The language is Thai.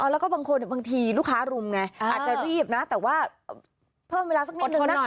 แล้วก็บางคนบางทีลูกค้ารุมไงอาจจะรีบนะแต่ว่าเพิ่มเวลาสักนิดนึงนะ